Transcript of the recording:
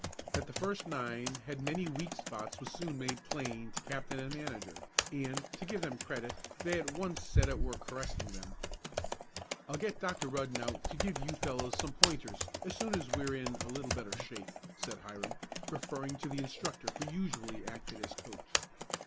That the first nine had many weak spots was soon made plain to captain and manager, and, to give them credit, they at once set at work correcting them. "I'll get Dr. Rudden out to give you fellows some pointers as soon as we're in a little better shape," said Hiram, referring to the instructor who usually acted as coach.